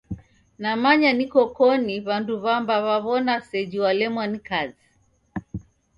Namanya nikokoni, w'andu w'amba w'aw'ona sejhi walemwa ni kazi.